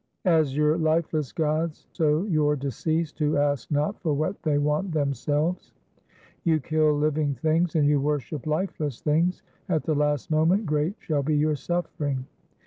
As your lifeless gods, so your deceased, who ask not for what they want themselves. You kill living things, and you worship lifeless things ; at the last moment great shall be your suffering.